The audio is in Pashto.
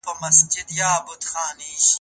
لړزېدل د ناخوښۍ رواني غبرګون دی.